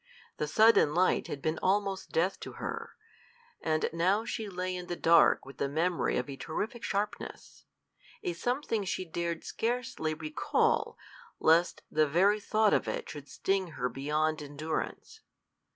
The sudden light had been almost death to her; and now she lay in the dark with the memory of a terrific sharpness a something she dared scarcely recall, lest the very thought of it should sting her beyond endurance.